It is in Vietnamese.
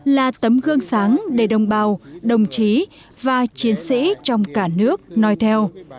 là tấm gương sáng để đồng bào đồng chí và chiến sĩ trong cả nước nói theo